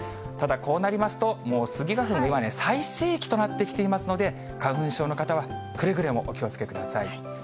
ただ、こうなりますと、もうスギ花粉、今ね、最盛期となってきていますので、花粉症の方はくれぐれもお気をつけください。